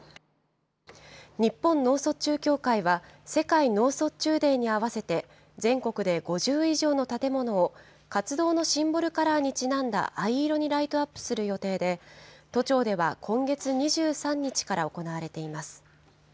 日本脳卒中協会は、世界脳卒中デーに合わせて、全国で５０以上の建物を、活動のシンボルカラーにちなんだ藍色にライトアップする予定で、都庁では今月２３日から行われています。